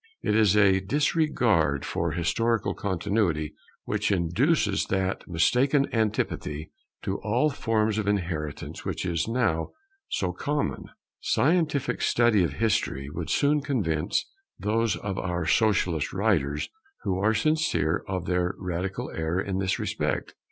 It is a disregard for historical Continuity which induces that mistaken antipathy to all forms of inheritance which is now so common. Scientific study of history would soon convince those of our socialist writers who are sincere of their radical error in this respect.